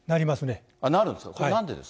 なるんですか。